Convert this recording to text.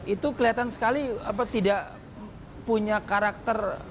itu kelihatan sekali tidak punya karakter